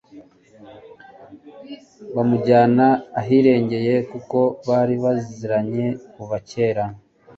bamujyana ahiherereye kuko bari baziranye kuva kera